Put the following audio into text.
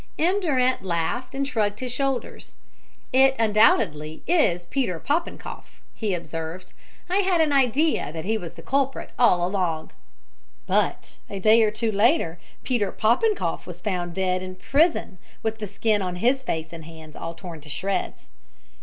M. Durant laughed and shrugged his shoulders. "It, undoubtedly, is Peter Popenkoff," he observed. "I had an idea that he was the culprit all along." But a day or two later, Peter Popenkoff was found dead in prison with the skin on his face and hands all torn to shreds.